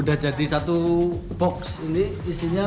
udah jadi satu box ini isinya tiga ratus